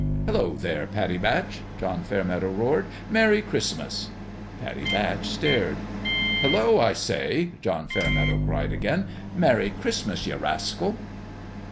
" Hello, there, Pattie Batch !" John Fair meadow roared. " Merry Christmas !" Pattie Batch stared. " Hello, I say !" John Fairmeadow cried, again. " Merry Christmas, ye rascal